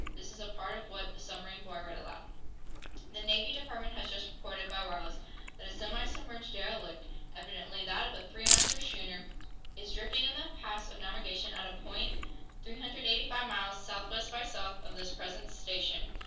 This is a part of what the submarine boy read aloud: _"'The Navy Department has just reported, by wireless, that a semi submerged derelict, evidently that of a three master schooner, is drifting in the paths of navigation at a point 385 miles southwest by south of this present station.